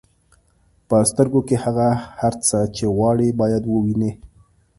په سترګو کې هغه هر څه چې غواړئ باید ووینئ.